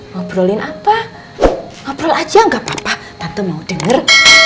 ngobrolin apa ngobrol aja nggak apa apa tante mau denger